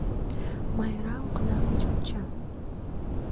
Майра окна гыч онча.